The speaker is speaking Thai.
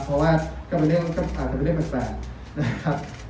เพราะว่ากระบวนเรื่องแบบแปลก